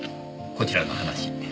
こちらの話。